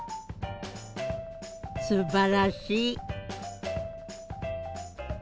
すばらしい。